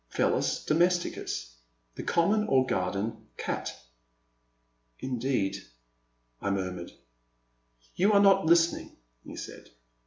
Pelis Domesticus, the common or garden cat.'* Indeed, I murmured. '* You are not listening,*' he said.